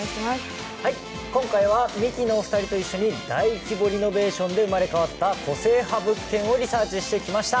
今回はミキのお二人と一緒に大リノベーションで生まれ変わった個性派物件をリサーチしてきました。